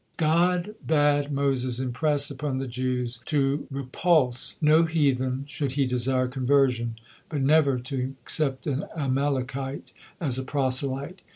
God bade Moses impress upon the Jews to repulse no heathen should he desire conversion, but never to accept an Amalekite as a proselyte.